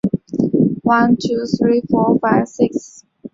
河边千斤拔为豆科千斤拔属下的一个种。